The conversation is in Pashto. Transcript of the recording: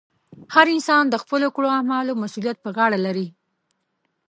هر انسان د خپلو کړو اعمالو مسؤلیت پر غاړه لري.